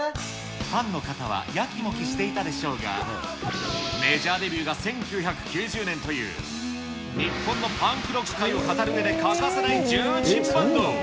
ファンの方はやきもきしていたでしょうが、メジャーデビューが１９９０年という、日本のパンクロック界を語るうえで欠かせない重鎮バンド。